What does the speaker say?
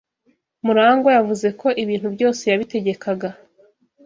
Murangwa yavuze ko ibintu byose yabitegekaga.